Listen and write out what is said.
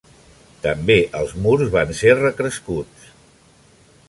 També els murs van ser recrescuts.